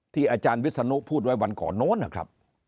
อาจารย์วิศนุพูดไว้วันก่อนโน้นนะครับ